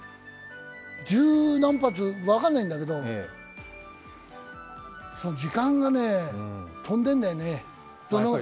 十何発、分かんないんだけど、時間がね、飛んでんだよね。